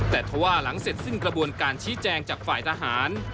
แต่ถ้าว่าหลังเสร็จสิ้นกระบวนการชี้แจงจากฝ่ายทหาร